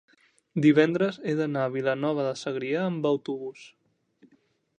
divendres he d'anar a Vilanova de Segrià amb autobús.